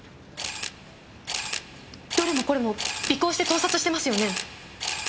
どれもこれも尾行して盗撮してますよね？